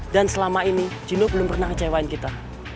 dan selama ini gino belum pernah ngecewain kita